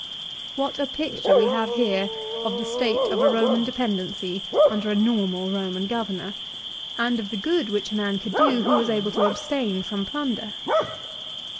What a picture we have here of the state of a Roman dependency under a normal Eoman governor, and of the good which a man could do who was able to abstain from plunder